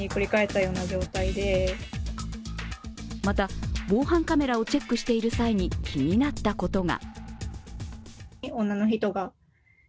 また防犯カメラをチェックしている際に気になったことが。